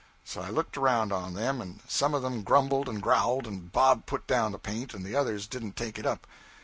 So I looked around on them, and some of them grumbled and growled, and Bob put down the paint, and the others didn't take it up.